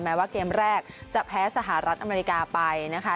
แม้ว่าเกมแรกจะแพ้สหรัฐอเมริกาไปนะคะ